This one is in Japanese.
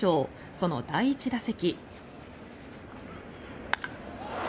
その第１打席。